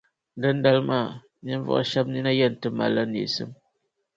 Dindali maa, ninvuɣu shɛba nina yɛn ti malila neesim.